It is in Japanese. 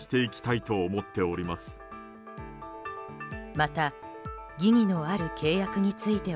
また疑義のある契約については